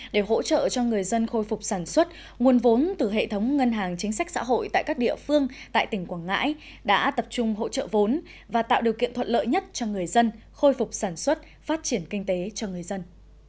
để hỗ trợ cho người dân khôi phục sản xuất nguồn vốn từ hệ thống ngân hàng chính sách xã hội tại các địa phương tại tỉnh quảng ngãi đã tập trung hỗ trợ vốn và tạo điều kiện thuận lợi nhất cho người dân khôi phục sản xuất phát triển kinh tế cho người dân